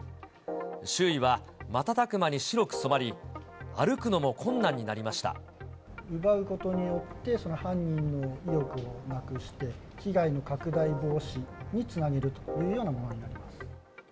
周囲は瞬く間に白く染まり、奪うことによって、犯人の意欲をなくして、被害の拡大防止につなげるというようなものになります。